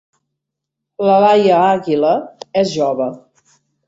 La Laia Àguila és jove.